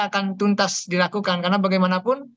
akan tuntas dilakukan karena bagaimanapun